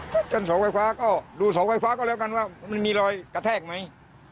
ถึงสวัยฟ้าก็ดูสวัยฟ้าก็แล้วกันว่ามันมีรอยกระแทกไหม